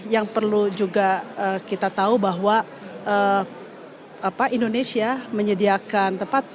yang perlu juga kita tahu bahwa indonesia menyediakan tempat